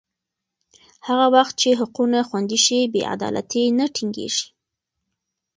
هغه وخت چې حقونه خوندي شي، بې عدالتي نه ټینګېږي.